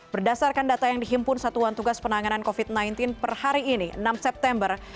berdasarkan data yang dihimpun satuan tugas penanganan covid sembilan belas per hari ini enam september